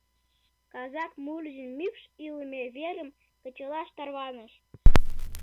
Казак Мурзин мӱкш илыме верым кычалаш тарваныш.